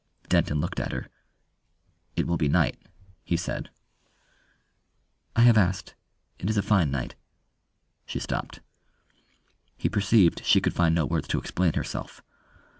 Denton looked at her. "It will be night," he said. "I have asked, it is a fine night." She stopped. He perceived she could find no words to explain herself.